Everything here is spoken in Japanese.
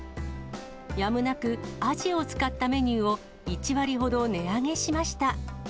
やむなくアジを使ったメニューを１割ほど値上げしました。